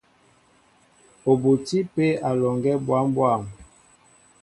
Ó botí pē alɔŋgɛ́ bwâm bwâm.